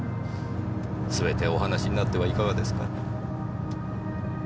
すべてお話しになってはいかがですか？